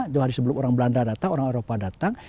jauh hari sebelum orang belanda datang orang eropa datang